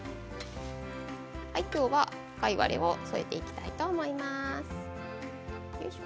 今日は、貝割れを添えていきたいと思います。